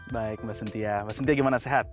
baik mas ntya mas ntya gimana sehat